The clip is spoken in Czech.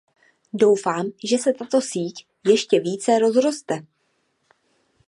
Doufám, že se tato síť ještě více rozroste.